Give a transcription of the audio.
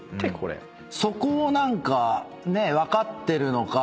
そこを何か分かってるのか。